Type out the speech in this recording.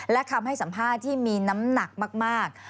และคำให้สัมภาษณ์ที่มีน้ำหนักมาก